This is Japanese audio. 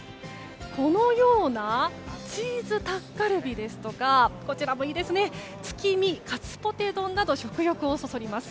このようなチーズタッカルビですとか月見カツポテ丼など食欲をそそります。